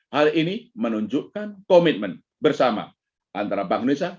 hal ini menunjukkan komitmen bersama antara bank indonesia